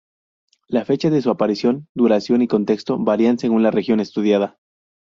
La fecha de su aparición, duración y contexto varía según la región estudiada.